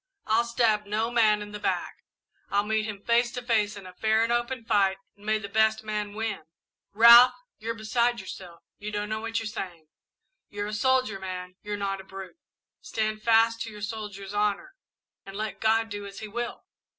I'll stab no man in the back I'll meet him face to face in fair and open fight, and may the best man win! "Ralph, you're beside yourself you don't know what you're saying. You're a soldier, man, you're not a brute! Stand fast to your soldier's honour, and let God do as He will!